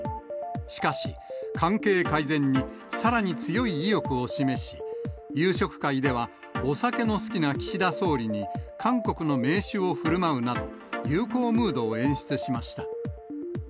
しかし、関係改善にさらに強い意欲を示し、夕食会ではお酒の好きな岸田総理に、韓国の名酒をふるまうなど、友好ムードを演出しました。